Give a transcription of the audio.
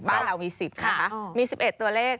บ้านเรามี๑๐นะคะมี๑๑ตัวเลข